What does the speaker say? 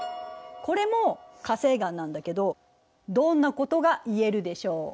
これも火成岩なんだけどどんなことが言えるでしょうか？